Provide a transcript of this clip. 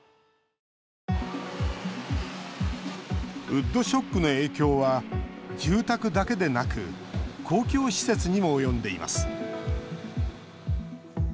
ウッドショックの影響は住宅だけでなく公共施設にも及んでいます。